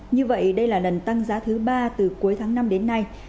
như vậy đây là lần tăng giá thứ ba từ cuối tháng năm đến nay